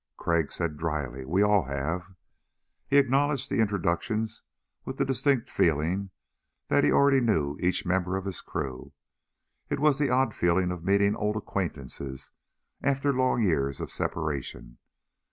Crag said dryly. "We all have." He acknowledged the introductions with the distinct feeling that he already knew each member of his crew. It was the odd feeling of meeting old acquaintances after long years of separation.